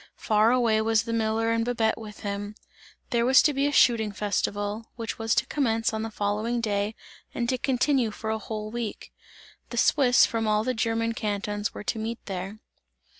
Far away was the miller and Babette with him; there was to be a shooting festival, which was to commence on the following day and to continue for a whole week. The Swiss from all the German cantons were to meet there.